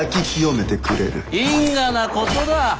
因果なことだ。